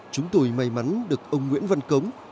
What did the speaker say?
chúng tôi may mắn được ông nguyễn văn cống